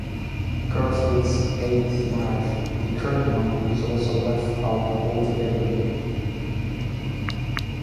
Garfield's eighth life, the current one, is also left out altogether.